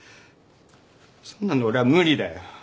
そんなの俺は無理だよ！